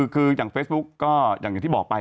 คืออย่างเฟซบุ๊กก็อย่างที่บอกไป